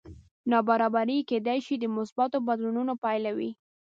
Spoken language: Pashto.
نابرابري کېدی شي د مثبتو بدلونونو پایله وي